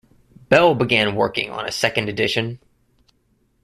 Bell began working on a second edition.